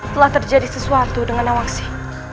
telah terjadi sesuatu dengan awakshi